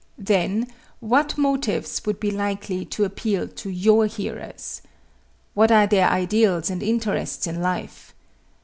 Then, what motives would be likely to appeal to your hearers? What are their ideals and interests in life?